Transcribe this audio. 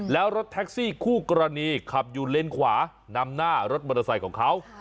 แล้วรถแท็กซี่คู่กรณีขับอยู่เลนขวานำหน้ารถมอเตอร์ไซค์ของเขา